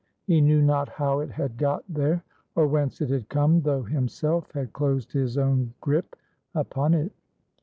He knew not how it had got there, or whence it had come, though himself had closed his own gripe upon it.